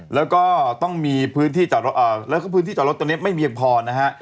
แล้วก็ต้องมีพื้นที่จอดรถแล้วก็พื้นที่จอดรถตรงนี้ไม่เพียงพอนะฮะ